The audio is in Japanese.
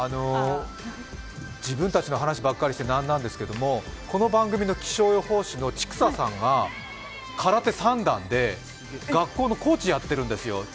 自分たちの話ばっかりしてなんなんですけどこの番組の気象予報士の千種さんが空手三段で学校のコーチやってるんですよ。